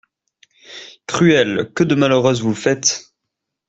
Cruel, que de malheureuses vous faites!